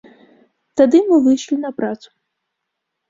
Тады мы выйшлі на працу.